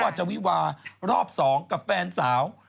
จะวิวารอบ๒กับแฟนสาว